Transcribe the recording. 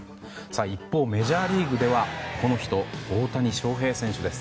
一方、メジャーリーグではこの人、大谷翔平選手です。